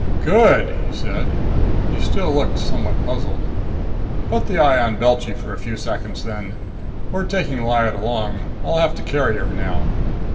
"Good," he said. He still looked somewhat puzzled. "Put the eye on Belchy for a few seconds then. We're taking Lyad along. I'll have to carry her now."